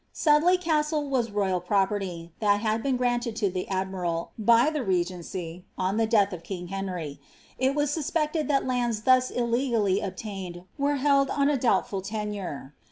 Sudley Castle * was royal property, that had been granted to the ad miral, by the regency, on the death of king Henry. It was suspecied that lands thus illegally obtained were held on a doubtful tenure.